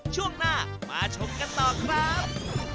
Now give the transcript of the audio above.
ช่วงหน้ามาชมกันต่อครับ